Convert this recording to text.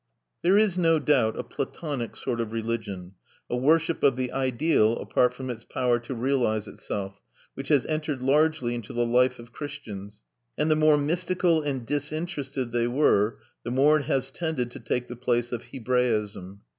There is no doubt a Platonic sort of religion, a worship of the ideal apart from its power to realise itself, which has entered largely into the life of Christians; and the more mystical and disinterested they were, the more it has tended to take the place of Hebraism.